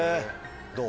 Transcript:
どう？